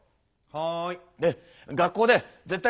はい。